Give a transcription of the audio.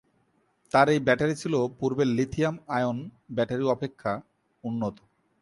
তার এই ব্যাটারি ছিল পূর্বের লিথিয়াম আয়ন ব্যাটারি অপেক্ষা উন্নত।